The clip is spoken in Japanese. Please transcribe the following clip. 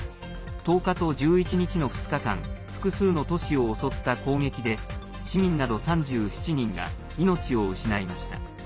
１０日と１１日の２日間複数の都市を襲った攻撃で市民など３７人が命を失いました。